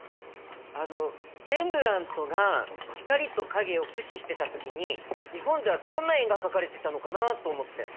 あのレンブラントが光と影を駆使してた時に日本ではどんな絵が描かれてたのかなと思って。